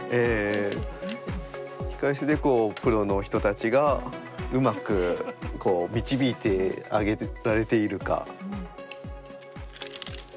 控え室でプロの人たちがうまく導いてあげられているか。